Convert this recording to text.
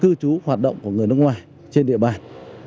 cư trú hoạt động của người nước ngoài trên địa bàn